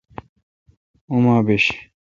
اوما بیش۔